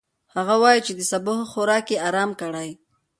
هغه وايي چې د سبو ښه خوراک يې ارام کړی.